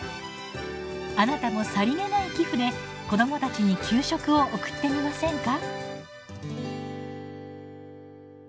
あなたもさりげない寄付で子どもたちに給食を送ってみませんか。